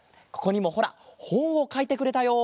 ここにもほらほんをかいてくれたよ！